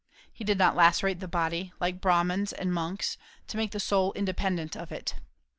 He did not lacerate the body, like Brahmans and monks, to make the soul independent of it.